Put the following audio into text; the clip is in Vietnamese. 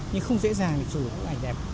nhưng không dễ dàng để chụp được một bức ảnh đẹp